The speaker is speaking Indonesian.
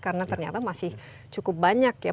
karena ternyata masih cukup banyak ya